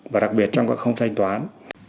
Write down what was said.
và đặc biệt trong các không thanh toán